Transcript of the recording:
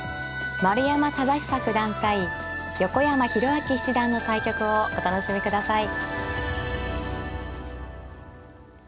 丸山忠久九段対横山泰明七段の対局をお楽しみください。